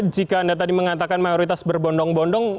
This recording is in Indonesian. jika anda tadi mengatakan mayoritas berbondong bondong